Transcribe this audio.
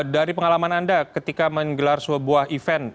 dari pengalaman anda ketika menggelar sebuah event